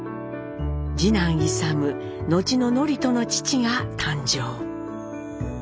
次男・勇後の智人の父が誕生。